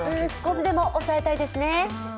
少しでも抑えたいですよね。